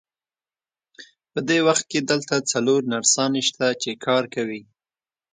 په دې وخت کې دلته څلور نرسانې شته، چې کار کوي.